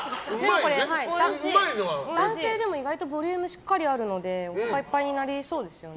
男性でも意外とボリュームしっかりあるのでおなかいっぱいになりそうですね。